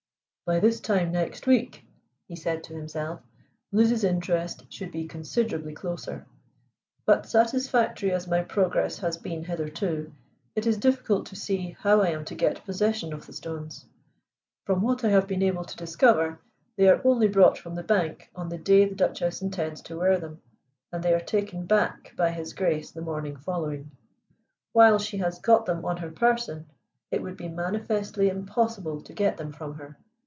"By this time next week," he said to himself, "Liz's interest should be considerably closer. But satisfactory as my progress has been hitherto, it is difficult to see how I am to get possession of the stones. From what I have been able to discover, they are only brought from the bank on the day the Duchess intends to wear them, and they are taken back by His Grace the morning following. "While she has got them on her person it would be manifestly impossible to get them from her.